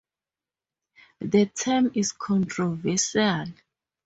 The term is controversial.